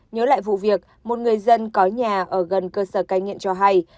nhớ lại vụ việc một người dân có nhà ở gần cơ sở cai nghiện cho hay